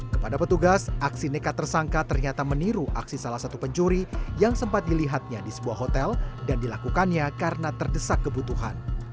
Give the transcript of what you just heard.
kepada petugas aksi nekat tersangka ternyata meniru aksi salah satu pencuri yang sempat dilihatnya di sebuah hotel dan dilakukannya karena terdesak kebutuhan